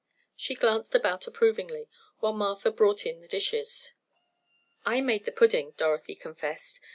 She glanced about approvingly, while Martha brought in the dishes. "I made the pudding," Dorothy confessed.